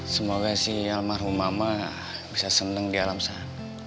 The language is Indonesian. semoga si almarhum mama bisa seneng di alam sana